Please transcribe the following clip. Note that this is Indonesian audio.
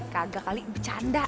kagak kali bercanda